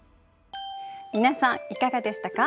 皆さんいかがでしたか？